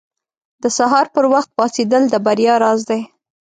• د سهار پر وخت پاڅېدل د بریا راز دی.